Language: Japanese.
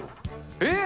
えっ！